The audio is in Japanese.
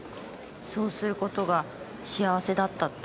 そうする事が幸せだったって。